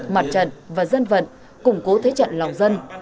mặt trận và dân vận củng cố thế trận lòng dân